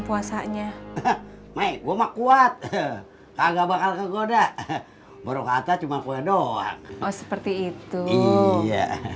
puasanya maik gua mah kuat kagak bakal kegoda baru kata cuma kue doang oh seperti itu iya